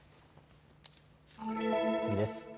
次です。